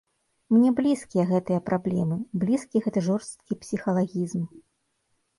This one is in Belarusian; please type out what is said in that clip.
Мне блізкія гэтыя праблемы, блізкі гэты жорсткі псіхалагізм.